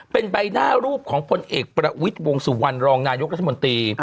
เป็นใบหน้ารูปของพลเอกประวิทย์วงสุวรรณรองนายกรัฐมนตรี